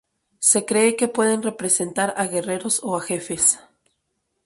Se cree que pueden representar a guerreros o a jefes.